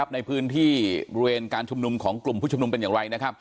ในพื้นที่บริเวณการชมนุมของกลุ่มผู้ชมนุมเป็นอย่างไร